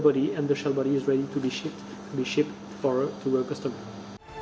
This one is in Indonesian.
kemudian kita menempatkan fuse di tubuh dan tubuh kabel sudah siap untuk dihantar ke pelanggan